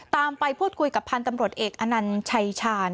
ไปพูดคุยกับพันธ์ตำรวจเอกอนัญชัยชาญ